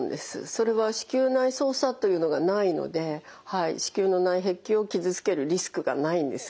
それは子宮内操作というのがないので子宮の内壁を傷つけるリスクがないんですね。